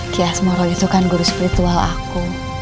ki asmoro itu kan guru spiritual aku